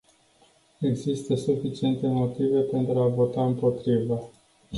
Există suficiente motive pentru a vota împotrivă.